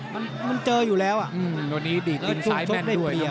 มันเจออยู่แล้วอ่ะตรงนี้ดิบซิ้งซ้ายแม่นด้วย